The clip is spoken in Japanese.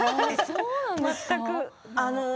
全く。